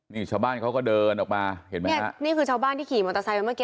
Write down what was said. นี่ชาวบ้านเขาก็เดินออกมาเห็นไหมฮะนี่คือชาวบ้านที่ขี่มอเตอร์ไซค์